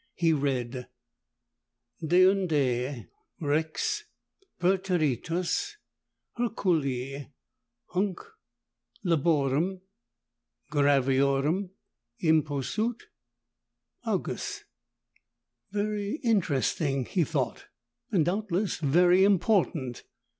He read, "Deinde rex perterritus Herculi hunc laborem, graviorem, imposuit. Augeas " Very interesting, he thought, and doubtless very important.